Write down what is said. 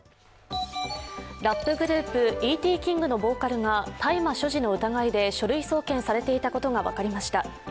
ラップグループ、ＥＴ−ＫＩＮＧのボーカルが大麻所持の疑いで書類送検されていたことが分かりました。